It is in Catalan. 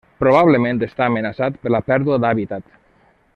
Probablement està amenaçat per la pèrdua d'hàbitat.